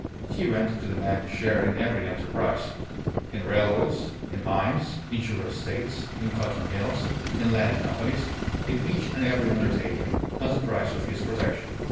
he meant to demand a share in every enterprise in railways, in mines, in sugar estates, in cotton mills, in land companies, in each and every undertaking as the price of his protection.